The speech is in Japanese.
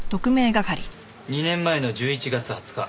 ２年前の１１月２０日